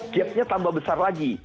gapnya tambah besar lagi